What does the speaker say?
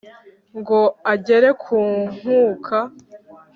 ngo agere ku nkuka